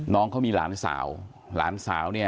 น้องเขามีหลานสาวหลานสาวเนี่ย